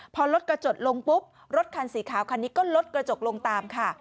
พอรถกระจกลงปุ๊บรถคันสีขาวคันนี้ก็ลดกระจกลงตามค่ะ